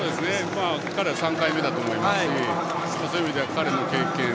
彼は３回目だと思いますしそういう意味では彼の経験。